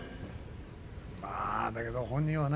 まあだけど本人はね。